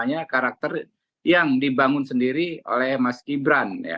ini adalah karakter keren karakter yang dibangun sendiri oleh mas gibran